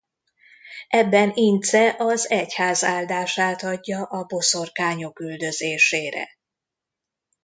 Ebben Ince az egyház áldását adja a boszorkányok üldözésére.